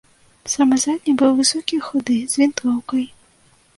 Самы задні быў высокі і худы, з вінтоўкай.